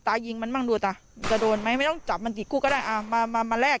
ตายิงมันบ้างดูต่อจะโดนไหมไม่ต้องจับมันสี่คู่ก็ได้มาแรก